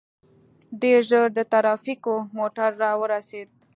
ډېر ژر د ټرافيکو موټر راورسېد.